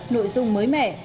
nội dung mới mẻ